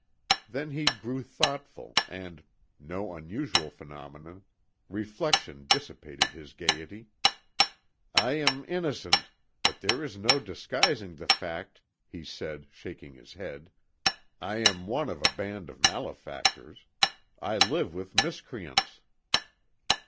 Then he grew thoughtful, and no unusual phenomenon reflection dissipated his gaiety. "I am innocent, but there is no disguising the fact," he said, shaking his head, "I am one of a band of malefactors. I live with miscreants.